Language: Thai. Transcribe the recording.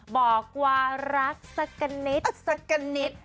บอกว่ารักสักกันนิดสักกันนิด